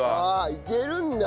いけるんだ。